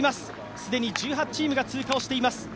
既に１８チームが通過をしています。